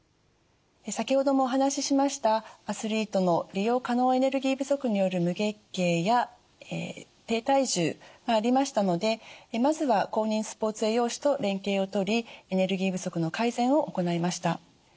先ほどもお話ししましたアスリートの利用可能エネルギー不足による無月経や低体重がありましたのでまずは公認スポーツ栄養士と連携を取りエネルギー不足の改善を行いました。